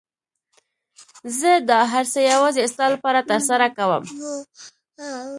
زه دا هر څه يوازې ستا لپاره ترسره کوم.